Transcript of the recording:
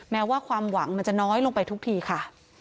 แม้ว่าความหวังมันจะน้อยลงไปทุกทีค่ะ